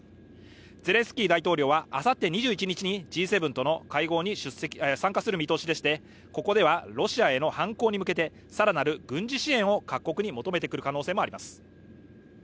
ゼレンスキー大統領はあさって２１日にＧ７との会合に参加する見通しでして、ここではロシアへの反攻に向けて更なる軍事支援を各国に求めてくる可能性もあります。